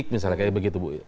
misalnya seperti itu bu